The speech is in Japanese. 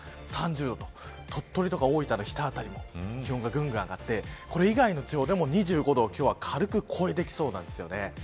３０度と鳥取、大分秋田辺りも気温がぐんぐん上がってこれ以外の地方でも今日は２５度を軽く超えてきそうです。